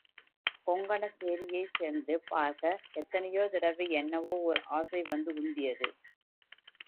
கொங்கணச் சேரியை வந்து பார்க்க, எத்தனையோ தடவை என்னவோ ஓர் ஆசை வந்து உந்தியது.